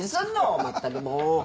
まったくもう。